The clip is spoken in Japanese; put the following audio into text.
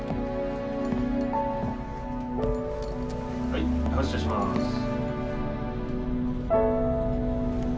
はい発車します。